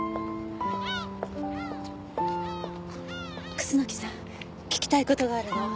楠木さん聞きたい事があるの。